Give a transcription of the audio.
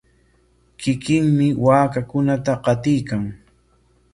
Kikinmi waakankunata qatiykan.